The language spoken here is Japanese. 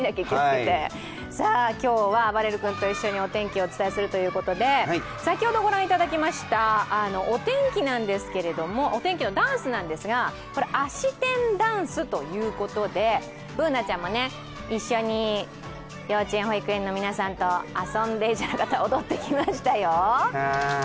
今日はあばれる君と一緒にお天気をお伝えするということで先ほどご覧いただきました、お天気のダンスなんですがあし天ダンスということで、Ｂｏｏｎａちゃんも一緒に幼稚園、保育園の皆さんと一緒に遊んできましたよ。